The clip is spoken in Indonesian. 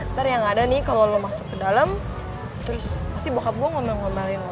ntar yang ada nih kalau lo masuk ke dalam terus pasti bokap gue ngomel ngomelin lo